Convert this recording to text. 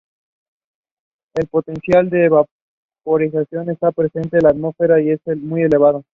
El potencial de evaporación que presenta la atmósfera es muy elevado.